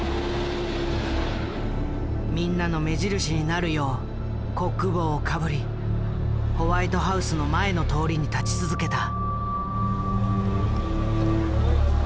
みんなの目印になるようコック帽をかぶりホワイトハウスの前の通りに立ち続けた。